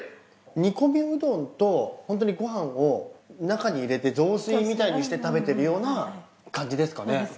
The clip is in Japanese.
煮込みうどんとホントにご飯を中に入れて雑炊みたいにして食べてるような感じですかね